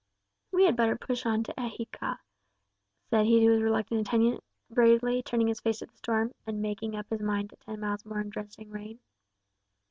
"We had better push on to Ecija," said he to his reluctant attendant, bravely turning his face to the storm, and making up his mind to ten miles more in drenching rain.